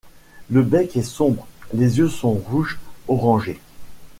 Le bec est sombre, les yeux sont rouge-orangé.